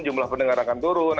jumlah pendengar akan turun